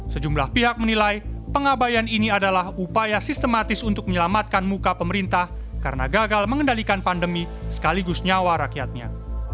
sejumlah pihak menilai pengabayan ini adalah upaya sistematis untuk menyelamatkan muka pemerintah karena gagal mengendalikan pandemi sekaligus nyawa rakyatnya